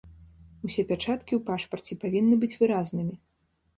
Усе пячаткі ў пашпарце павінны быць выразнымі.